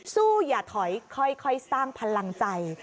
อย่าถอยค่อยสร้างพลังใจ